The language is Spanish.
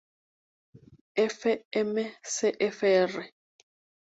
F. M. Cfr.